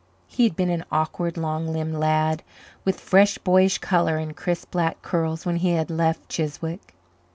He had been an awkward, long limbed lad with fresh boyish colour and crisp black curls when he had left Chiswick.